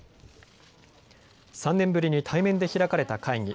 ３年ぶりに対面で開かれた会議。